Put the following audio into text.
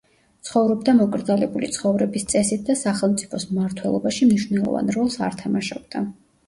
ცხოვრობდა მოკრძალებული ცხოვრების წესით და სახელმწიფოს მმართველობაში მნიშვნელოვან როლს არ თამაშობდა.